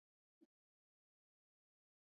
ښوونځي باید د پښتو زده کړې ته لومړیتوب ورکړي.